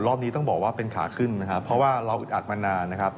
รอบนี้ต้องบอกว่าเป็นขาขึ้นนะครับเพราะว่าเราอึดอัดมานานนะครับ